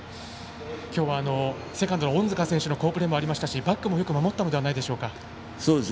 きょうはセカンドの隠塚選手の好プレーもありましたしバックも、よく守ったのではないでしょうか？